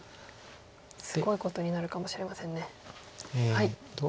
すごいことになるかもしれませんね。